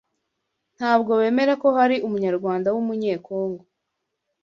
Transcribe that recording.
ntabwo bemera ko hari umunyarwanda w’umunye-Congo